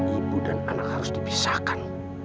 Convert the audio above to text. ibu dan anak harus dipisahkan